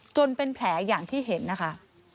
จนเป็นแผลอย่างที่เห็นนะคะ